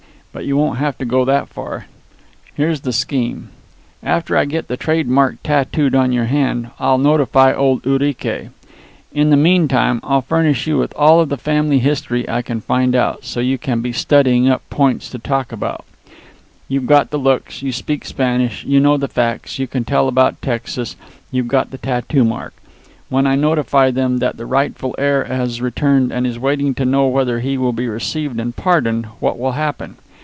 "But you won't have to go that far. Here's the scheme. After I get the trademark tattooed on your hand I'll notify old Urique. In the meantime I'll furnish you with all of the family history I can find out, so you can be studying up points to talk about. You've got the looks, you speak the Spanish, you know the facts, you can tell about Texas, you've got the tattoo mark. When I notify them that the rightful heir has returned and is waiting to know whether he will be received and pardoned, what will happen?